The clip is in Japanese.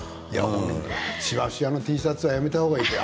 しわしわのＴシャツは辞めた方がいいです。